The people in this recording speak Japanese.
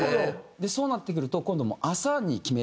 でそうなってくると今度。